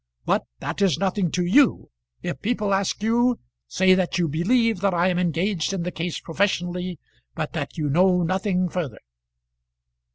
But that is nothing to you. If people ask you, say that you believe that I am engaged in the case professionally, but that you know nothing further."